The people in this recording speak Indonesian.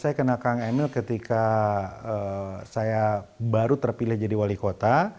saya kena kang emil ketika saya baru terpilih jadi wali kota